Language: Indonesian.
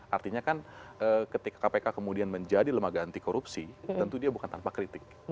artinya kan ketika kpk kemudian menjadi lembaga anti korupsi tentu dia bukan tanpa kritik